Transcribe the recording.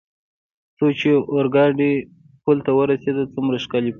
څو چې د اورګاډي پل ته ورسېدو، څومره ښکلی پل.